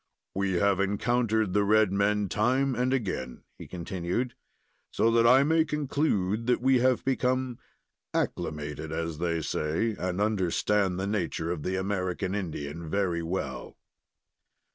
"We have encountered the red men time and again," he continued, "so that I may conclude that we have become acclimated, as they say, and understand the nature of the American Indian very well."